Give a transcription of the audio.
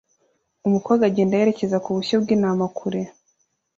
Umukobwa agenda yerekeza ku bushyo bw'intama kure